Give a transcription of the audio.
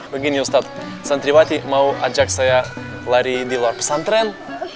begini ustadz santriwati mau ajak saya lari di luar pesantren